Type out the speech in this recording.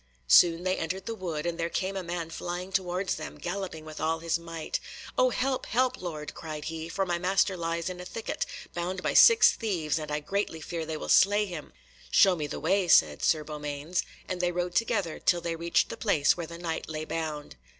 Soon they entered the wood, and there came a man flying towards them, galloping with all his might. "Oh, help! help! lord," cried he, "for my master lies in a thicket, bound by six thieves, and I greatly fear they will slay him." "Show me the way," said Sir Beaumains, and they rode together till they reached the place where the Knight lay bound.